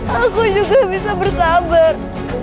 aku juga bisa bersabar